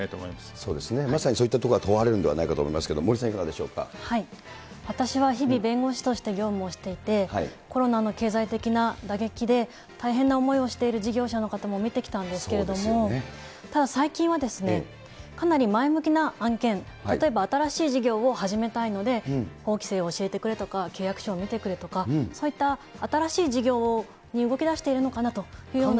そうですね、まさにそういったところが問われるんではないかと思いますが、森さんはいかがで私は日々、弁護士として業務をしていて、コロナの経済的な打撃で、大変な思いをしている事業者の方も見てきたんですけれども、ただ最近はかなり前向きな案件、例えば新しい事業を始めたいので、法規制を教えてくれとか、契約書を見てくれとか、そういった新しい事業に動きだしているのかなというような。